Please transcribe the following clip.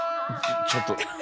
ちょっと。